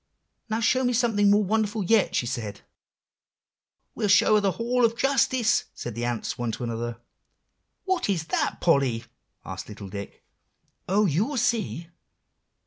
'Now show me something more wonderful yet,' she said. "'We'll show her the Hall of Justice,' said the ants one to another." "What is that, Polly?" asked little Dick. "Oh, you'll see!